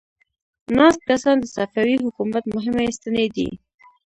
ناست کسان د صفوي حکومت مهمې ستنې دي.